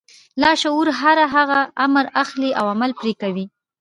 لاشعور هر هغه امر اخلي او عمل پرې کوي.